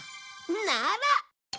なら。